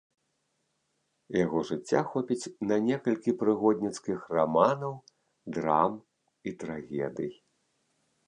Яго жыцця хопіць на некалькі прыгодніцкіх раманаў, драм і трагедый.